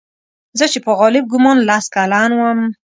زه چې په غالب ګومان لس کلن وم.